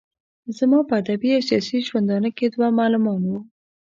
زما په ادبي او سياسي ژوندانه کې دوه معلمان وو.